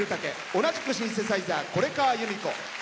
同じくシンセサイザー是川由美子。